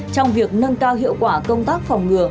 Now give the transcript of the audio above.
trong việc nâng cao hiệu quả công tác phòng ngừa